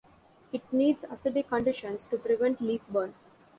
It needs acidic conditions to prevent leaf burn.